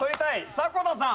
迫田さん。